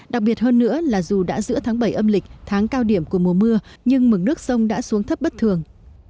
đặc biệt hơn nữa là dù đã giữa tháng bảy âm lịch tháng cao điểm của mùa mưa nhưng mực nước sông đã xuống thấp bất thường